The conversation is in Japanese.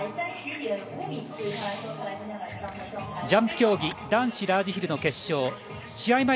ジャンプ競技男子ラージヒルの決勝試合